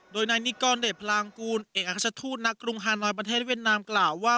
โดยนายนิกรเดชพลางกูลเอกทูตณกรุงฮานอยประเทศเวียดนามกล่าวว่า